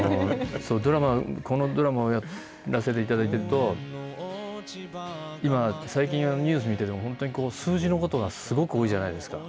このドラマをやらせていただいていると、今、最近ニュース見てても、本当に数字のことがすごく多いじゃないですか。